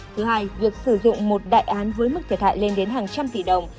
thứ hai việc sử dụng một đại án với mức thiệt hại lên đến hàng trăm tỷ đồng